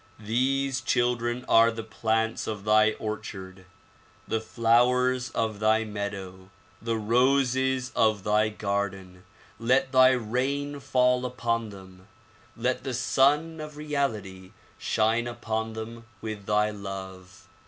These children are the plants of thy orchard, the flowers of thy meadow, the roses of thy garden. Let thy rain fall upon them ; let the Sun of Reality shine upon them with thy love.